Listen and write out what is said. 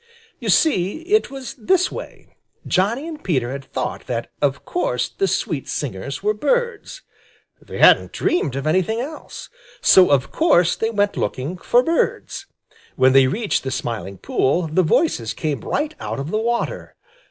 You see it was this way: Johnny and Peter had thought that of course the sweet singers were birds. They hadn't dreamed of anything else. So of course they went looking for birds. When they reached the Smiling Pool, the voices came right out of the water.